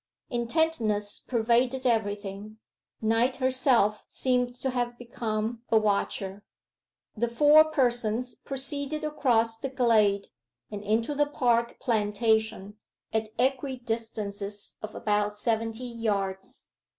Intentness pervaded everything; Night herself seemed to have become a watcher. The four persons proceeded across the glade, and into the park plantation, at equidistances of about seventy yards.